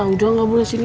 udah nggak boleh sini